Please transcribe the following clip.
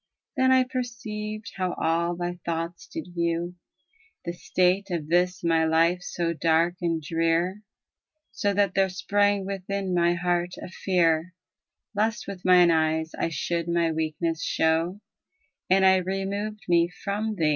Then I perceived how all thy thoughts did view ^ The state of this my life so dark and drear. So that there sprang within my heart a fear Lest with mine eyes I should my weakness show ; SONNET XXV From y. N.